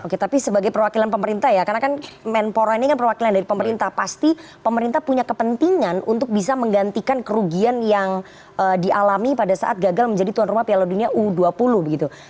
oke tapi sebagai perwakilan pemerintah ya karena kan menpora ini kan perwakilan dari pemerintah pasti pemerintah punya kepentingan untuk bisa menggantikan kerugian yang dialami pada saat gagal menjadi tuan rumah piala dunia u dua puluh begitu